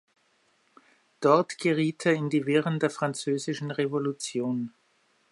Dort geriet er in die Wirren der Französischen Revolution.